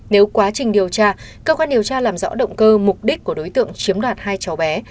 nếu quá trình điều tra cơ quan điều tra làm rõ động cơ mục đích của đối tượng chiếm đoạt hai cháu bé